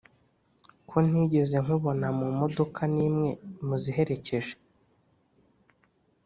ko ntigeze nkubona mumodoka nimwe muziherekeje